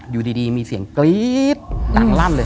อยู่ดีมีเสียงกรี๊ดดังลั่นเลย